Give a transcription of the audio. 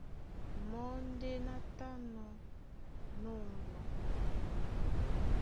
Mɔ́ ndé ná tánɔ̄ ná ombwa.